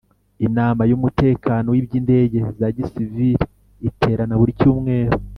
Inama y’Umutekano w’Iby indege za Gisivili iterana buri cyumweru